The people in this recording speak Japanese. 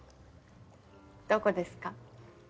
どこですか？